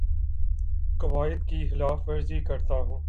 قوائد کی خلاف ورزی کرتا ہوں